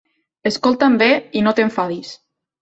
- Escolta-m bé i no t'enfadis